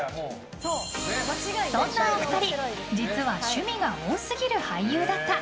そんなお二人実は趣味が多すぎる俳優だった！